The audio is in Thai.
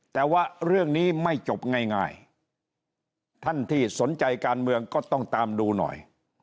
แต่ว่าเรื่องนี้ไม่จบง่ายท่านที่สนใจการเมืองก็ต้องตามดูหน่อย